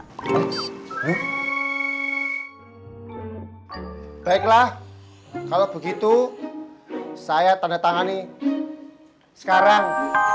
hai baiklah kalau begitu saya tanda tangani sekarang